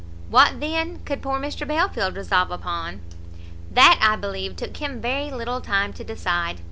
What, then, could poor Mr Belfield resolve upon?" "That, I believe, took him very little time to decide.